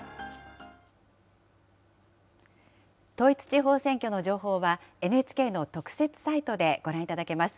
統一地方選挙の情報は、ＮＨＫの特設サイトでご覧いただけます。